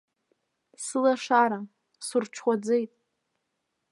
Сылашара, сурҽхәаӡеит.